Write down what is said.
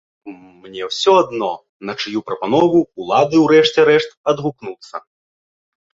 Мне ўсё адно, на чыю прапанову ўлады ўрэшце рэшт адгукнуцца!